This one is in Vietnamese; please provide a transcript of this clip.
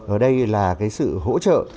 ở đây là cái sự hỗ trợ